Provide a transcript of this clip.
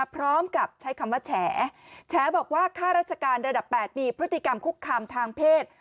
พร้อมกับใช้คำว่าแฉแฉบอกว่าค่าราชการระดับ๘มีพฤติกรรมคุกคามทางเพศ